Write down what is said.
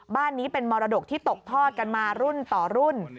บ้านนี้เป็นมรดกที่ตกทอดกันมารุ่นต่อรุ่น